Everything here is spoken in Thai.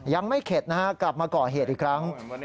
ยังไม่เข็ดนะฮะกลับมาก่อเหตุอีกครั้ง